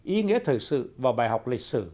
ý nghĩa thời sự và bài học lịch sử